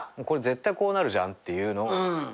これ絶対こうなるじゃんっていうの。